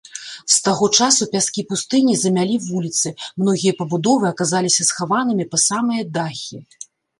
З таго часу пяскі пустыні замялі вуліцы, многія пабудовы аказаліся схаванымі па самыя дахі.